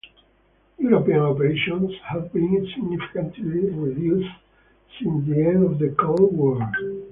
European operations have been significantly reduced since the end of the Cold War.